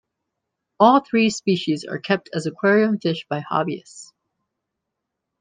All three species are kept as aquarium fish by hobbyists.